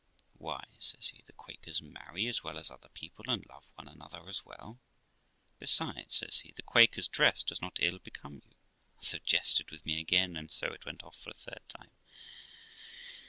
'Why', says he, 'the Quakers marry as well as other people, and love one another as well. Besides ', says he, 'the Quakers' dress does not ill become you', and so jested with me again, and so it went off for a third time.